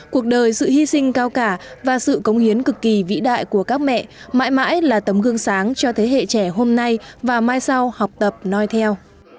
cuộc đời sự hy sinh cao cả và sự cống hiến cực kỳ vĩ đại của các mẹ mãi mãi là tấm gương sáng cho thế hệ trẻ hôm nay và mai sau học tập nói theo